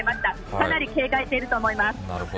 かなり警戒していると思います。